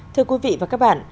thưa quý vị và các bạn